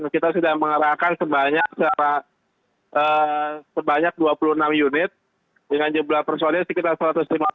kita sudah mengerahkan sebanyak dua puluh enam unit dengan jumlah personil sekitar satu ratus lima puluh